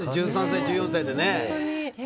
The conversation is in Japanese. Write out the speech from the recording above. １３歳、１４歳だね。